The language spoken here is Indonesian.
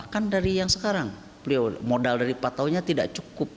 kan dari yang sekarang modal dari patonya tidak cukup